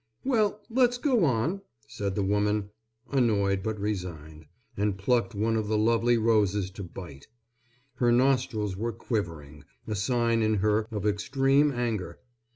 "Well, let's go on," said the woman, annoyed, but resigned, and plucked one of the lovely roses to bite. Her nostrils were quivering, a sign in her of extreme anger.